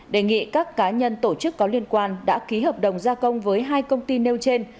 đề nghị các cá nhân tổ chức có liên quan đã ký hợp đồng gia công với hai công ty nêu trên